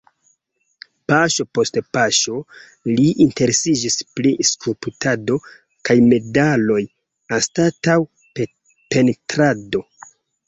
Paŝo post paŝo li interesiĝis pri skulptado kaj medaloj anstataŭ pentrado.